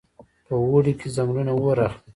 په اوړي کې ځنګلونه اور اخلي.